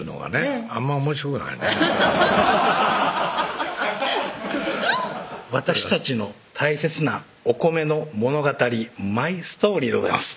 あんまおもしろくないね私たちの大切なお米の物語マイストーリーでございます